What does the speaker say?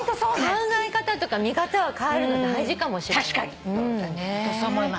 考え方とか見方が変わるの大事かもしれない。